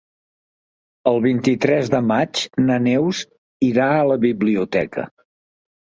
El vint-i-tres de maig na Neus irà a la biblioteca.